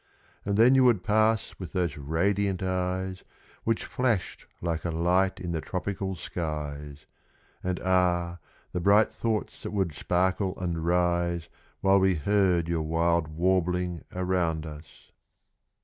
And then you would pass with those radiant eyes Which flashed like a light in the tropical skies And ah! the bright thoughts that would sparkle and rise While we heard your wild warbling around us.